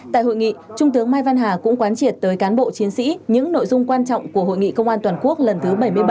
tại hội nghị trung tướng mai văn hà cũng quán triệt tới cán bộ chiến sĩ những nội dung quan trọng của hội nghị công an toàn quốc lần thứ bảy mươi bảy